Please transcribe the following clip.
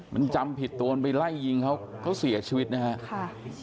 มันจำผิดตัวมันไปไล่ยิงเขาเขาเสียชีวิตนะครับ